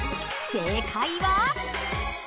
正解は？